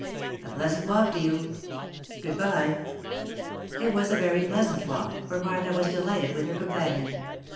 A pleasant walk to you ! Good bye." #It was a very pleasant walk, for Martha was delighted with her companion.